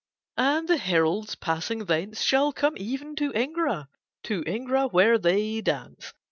"'And the heralds passing thence shall come even to Ingra, to Ingra where they dance.